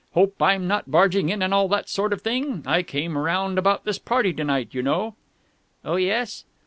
"Hope I'm not barging in and all that sort of thing? I came round about this party to night, you know." "Oh, yes?"